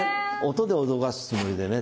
音で脅かすつもりでね